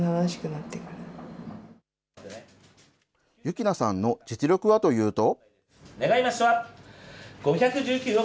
喜なさんの実力はというと。